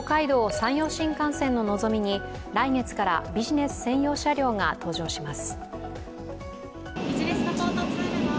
山陽新幹線ののぞみに、来月からビジネス専用車両が登場します。